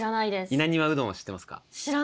稲庭うどんは知ってますか？